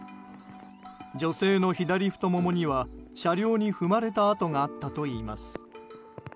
女性の左太ももには車両に踏まれた跡があったといいます。